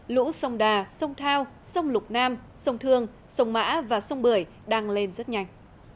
lũ sông đà sông thao sông lục nam sông thương sông mã và sông bưởi đang lên rất nhanh